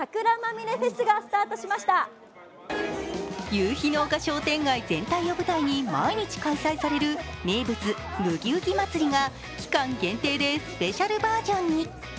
夕日の丘商店街全体を舞台に毎日開催される名物・ブギウギ祭が期間限定でスペシャルバージョンに。